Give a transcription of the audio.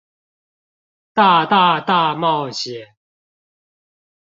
大、大、大冒險